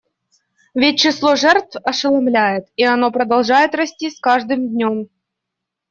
Ведь число жертв ошеломляет, и оно продолжает расти с каждым днем.